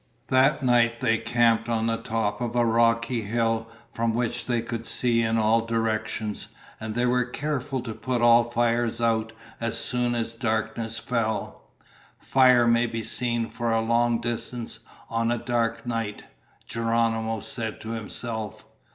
That night they camped on top of a rocky hill from which they could see in all directions, and they were careful to put all fires out as soon as darkness fell. "Fire may be seen for a long distance on a dark night," Geronimo said to himself.